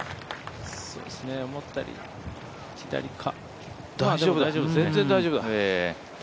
思ったより左か全然大丈夫だ。